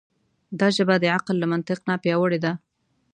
دا ژبه د عقل له منطق نه پیاوړې ده.